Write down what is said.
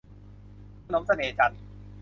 ขนมเสน่ห์จันทร์